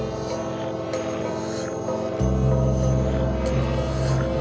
โอ้โฮโฮใส่ชุดนี่ไม่เลี้ยว